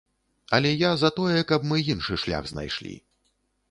Але я за тое, каб мы іншы шлях знайшлі.